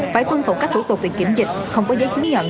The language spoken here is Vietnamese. phải tuân thủ các thủ tục về kiểm dịch không có giấy chứng nhận